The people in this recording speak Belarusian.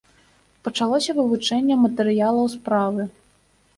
Пачалося вывучэнне матэрыялаў справы.